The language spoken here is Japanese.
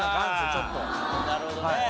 なるほどね。